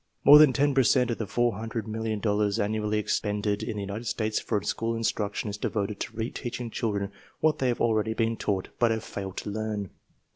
More than 10 per cent of the $400,000,000 annually expended in the United States for school instruction is devoted to re teach ing children what they have already been taught but have failed to learn.